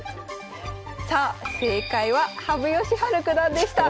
さあ正解は羽生善治九段でした。